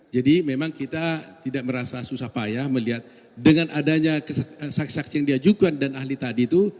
jadi memang kita tidak merasa susah payah melihat dengan adanya saksi saksi yang diajukan dan ahli tadi itu